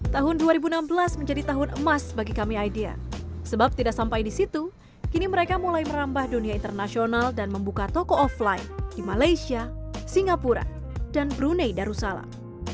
tahun dua ribu enam belas menjadi tahun emas bagi kami idea sebab tidak sampai di situ kini mereka mulai merambah dunia internasional dan membuka toko offline di malaysia singapura dan brunei darussalam